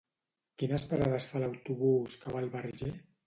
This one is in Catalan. Quines parades fa l'autobús que va al Verger?